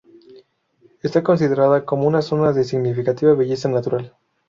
Está considerada como una zona de significativa belleza natural.